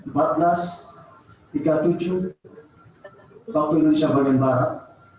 tiga puluh tujuh waktu indonesia banyar barat